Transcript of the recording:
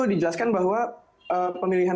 terima kasih mbak